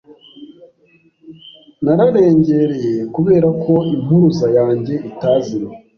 Nararengereye kubera ko impuruza yanjye itazimye.